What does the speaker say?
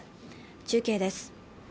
中継です。